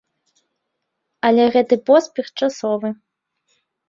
Але гэты поспех часовы.